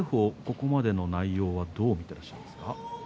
ここまでの内容はどう見てらっしゃいますか？